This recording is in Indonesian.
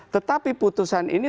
tetapi putusan ini